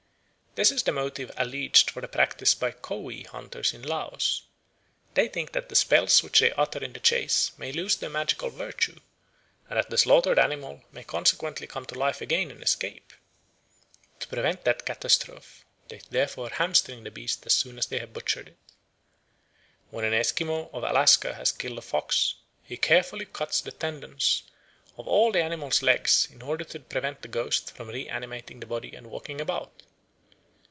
This is the motive alleged for the practice by Koui hunters in Laos; they think that the spells which they utter in the chase may lose their magical virtue, and that the slaughtered animal may consequently come to life again and escape. To prevent that catastrophe they therefore hamstring the beast as soon as they have butchered it. When an Esquimau of Alaska has killed a fox, he carefully cuts the tendons of all the animal's legs in order to prevent the ghost from reanimating the body and walking about.